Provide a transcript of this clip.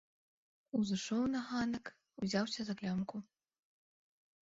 Узышоў на ганак, узяўся за клямку.